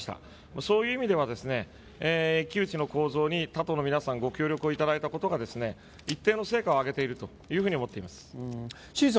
そういう意味では、一騎打ちの構造に他党の皆さんご協力いただいたことが一定の成果を上げていると思っています。